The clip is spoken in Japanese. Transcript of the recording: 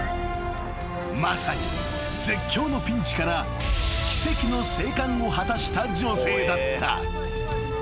［まさに絶叫のピンチから奇跡の生還を果たした女性だった］